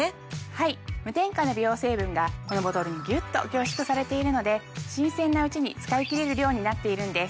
はい無添加の美容成分がこのボトルにギュッと凝縮されているので新鮮なうちに使い切れる量になっているんです。